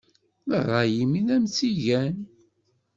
D ṛṛay-im i am-tt-igan.